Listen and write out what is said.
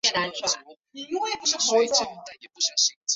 这可能会增加政治和社会的两极分化和极端主义。